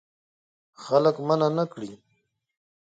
خلک منع نه کړې.